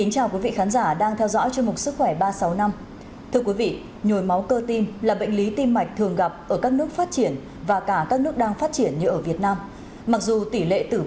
các bạn hãy đăng ký kênh để ủng hộ kênh của chúng mình nhé